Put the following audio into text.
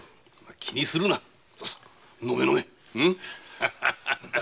気にするなさ飲め飲め。